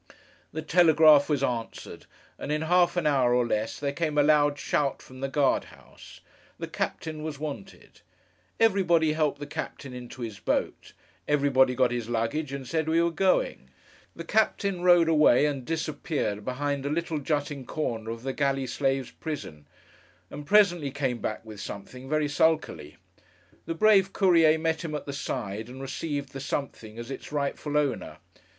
The telegraph was answered, and in half an hour or less, there came a loud shout from the guard house. The captain was wanted. Everybody helped the captain into his boat. Everybody got his luggage, and said we were going. The captain rowed away, and disappeared behind a little jutting corner of the Galley slaves' Prison: and presently came back with something, very sulkily. The brave Courier met him at the side, and received the something as its rightful owner.